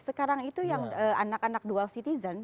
sekarang itu yang anak anak dual citizen